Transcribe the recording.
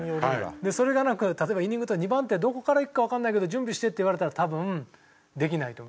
それがなく例えばイニング２番手どこからいくかわからないけど準備してって言われたら多分できないと思う。